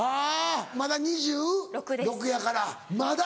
まだ２６やからまだ？